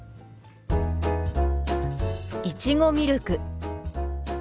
「いちごミルク」。